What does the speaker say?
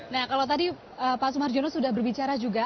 nah kalau tadi pak sumarjono sudah berbicara juga